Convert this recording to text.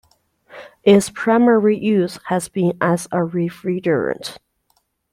Its primary use has been as a refrigerant.